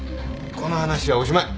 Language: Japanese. この話はおしまい。